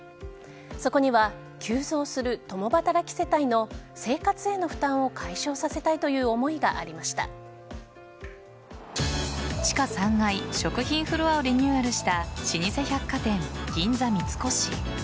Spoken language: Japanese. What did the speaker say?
そこには急増する共働き世帯の生活への負担を解消させたいという思いが地下３階食品フロアをリニューアルした老舗百貨店・銀座三越。